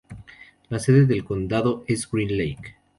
La sede del condado es Green Lake.